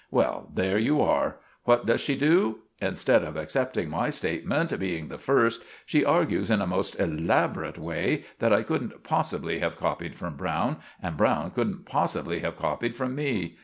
Well, there you are. What does she do? Insted of accepting my statement, being the first, she argues in a most elaborate way that I couldn't possibly have coppied from Browne, and Browne couldn't possibly have copied from me.